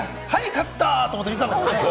勝った！と思って見てたもんね。